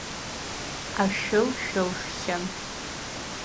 Ашәы лшәылххьан.